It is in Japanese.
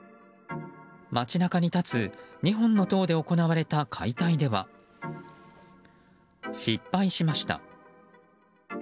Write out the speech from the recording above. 街中に立つ２本の塔で行われた解体では失敗しました。